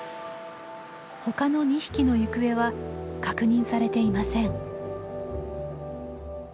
他の２匹の行方は確認されていません。